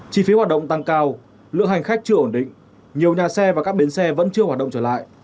chi phí hoạt động tăng cao lượng hành khách chưa ổn định nhiều nhà xe và các bến xe vẫn chưa hoạt động trở lại